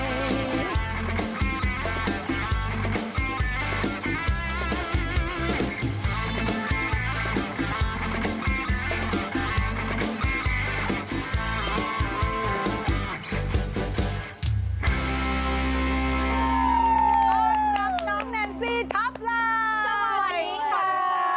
คนหน้าตาดีแต่ยังไม่มีแฟน